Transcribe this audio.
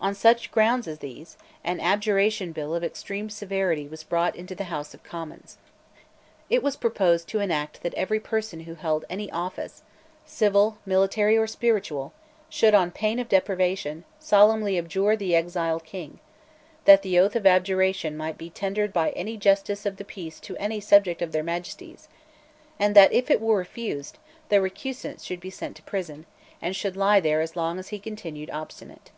On such grounds as these, an Abjuration Bill of extreme severity was brought into the House of Commons. It was proposed to enact that every person who held any office, civil, military, or spiritual, should, on pain of deprivation, solemnly abjure the exiled King; that the oath of abjuration might be tendered by any justice of the peace to any subject of their Majesties; and that, if it were refused, the recusant should be sent to prison, and should lie there as long as he continued obstinate.